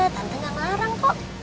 tante gak marah kok